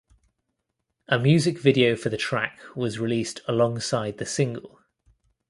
A music video for the track was released alongside the single.